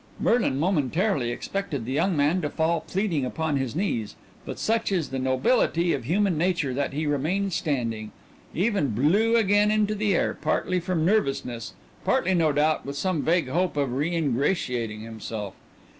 Merlin momentarily expected the young man to fall pleading upon his knees, but such is the nobility of human nature that he remained standing even blew again into the air, partly from nervousness, partly, no doubt, with some vague hope of reingratiating himself.